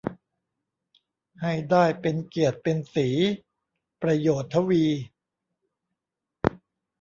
ให้ได้เป็นเกียรติเป็นศรี ประโยชน์ทวี